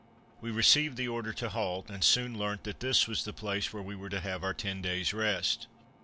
We received the order to halt, and soon learnt that this was the place where we were to have our ten days' rest.